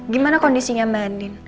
gimana kondisinya mbak andin